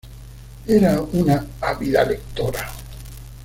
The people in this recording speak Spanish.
Era una ávida lectora.